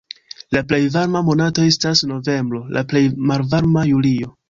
La plej varma monato estas novembro, la plej malvarma julio.